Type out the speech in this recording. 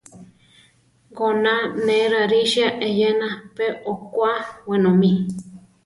Goná ne rarisia eyena pe okwá wenomí.